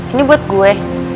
ini buat gue